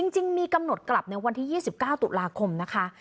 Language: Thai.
จริงมีกำหนดกลับในวันที่๒๙ตุลาคมนะคะ